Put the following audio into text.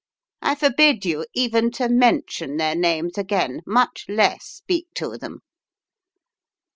I forbid you even to mention their names again, much less speak to them."